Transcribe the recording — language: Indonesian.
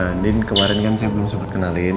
nah din kemarin kan saya belum sempet kenalin